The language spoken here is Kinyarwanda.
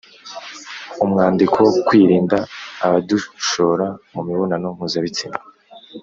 Umwandiko Kwirinda Abadushora Mu Mibonano Mpuzabitsina